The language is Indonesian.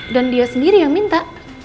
dan dia sendiri yang minta